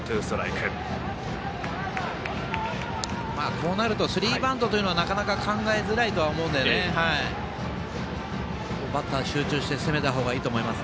こうなるとスリーバントというのはなかなか考えづらいと思うのでバッター、集中して攻めた方がいいと思います